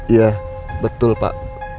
iya betul pak